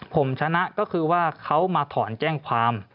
ผมชนะก็คือว่าเขามาถอนแจ้งความ